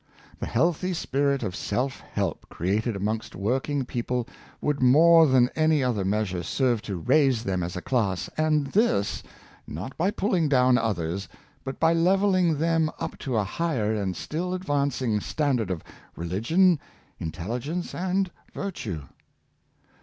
The healthy spirit of self help created amongst working people would more than any other measure serve to raise them as a class, and this, not by pulling down others, but by leveling them up to a higher and still advancing standard of religion, intelligence, and virtue.